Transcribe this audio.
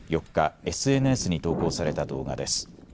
４日、ＳＮＳに投稿された動画です。